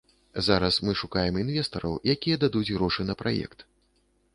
Зараз мы шукаем інвестараў, якія дадуць грошы на праект.